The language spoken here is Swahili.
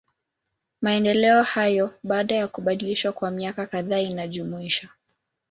Maendeleo hayo, baada ya kubadilishwa kwa miaka kadhaa inajumuisha.